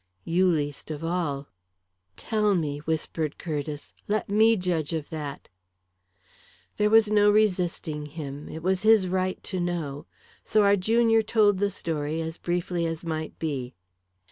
"You least of all." "Tell me," whispered Curtiss. "Let me judge of that." There was no resisting him it was his right to know so our junior told the story, as briefly as might be.